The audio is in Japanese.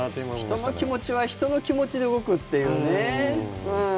人の気持ちは人の気持ちで動くっていうね。